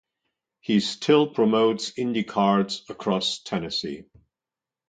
He still promotes indy cards across Tennessee.